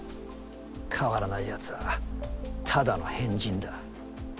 変わらないやつはただの変人だ。